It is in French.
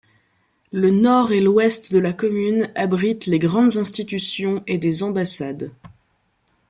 Le nord et l'ouest de la commune abritent les grandes institutions et des ambassades.